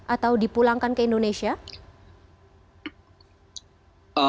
atau dipulangkan ke indonesia